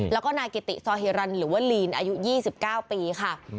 แล้วก็นายกิติซอฮิรันหรือว่าลีนอายุ๒๙ปีค่ะ